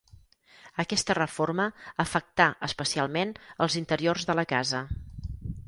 Aquesta reforma afectà especialment els interiors de la casa.